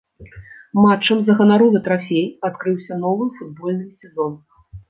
Матчам за ганаровы трафей адкрыўся новы футбольны сезон.